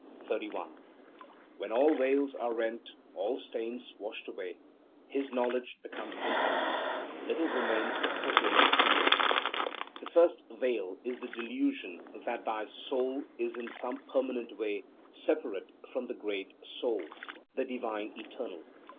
When all veils are rent, all stains washed away, his knowledge becomes infinite; little remains for him to know. The first veil is the delusion that thy soul is in some permanent way separate from the great Soul, the divine Eternal.